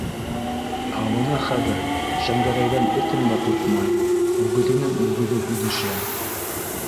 Ә бына хәҙер Шәңгәрәйҙән этем дә ҡурҡмай, үгеҙенең үгеҙе һөҙөшә!